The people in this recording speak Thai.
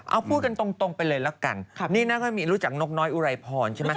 เอาพูดกันตรงไปเลยละกันนี่น่าจะมีรู้จักนกน้อยอุไรพรใช่ไหม